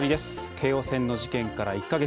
京王線の事件から１か月。